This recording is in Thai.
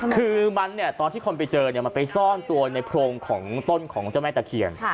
คือมันเนี่ยตอนที่คนไปเจอมันไปซ่อนตัวในโพรงของต้นของเจ้าแม่ตะเคียน